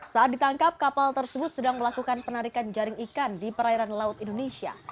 saat ditangkap kapal tersebut sedang melakukan penarikan jaring ikan di perairan laut indonesia